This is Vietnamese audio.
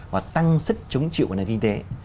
và tăng sức chống chịu của nền kinh tế